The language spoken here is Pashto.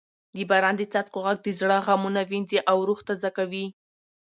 د باران د څاڅکو غږ د زړه غمونه وینځي او روح تازه کوي.